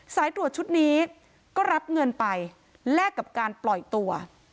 สายตรวจชุดนี้ก็รับเงินไปแลกกับการปล่อยตัว